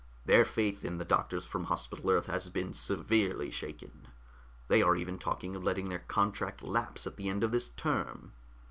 Their faith in the doctors from Hospital Earth has been severely shaken. They are even talking of letting their contract lapse at the end of this term."